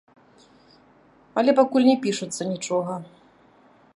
Але пакуль не пішацца нічога.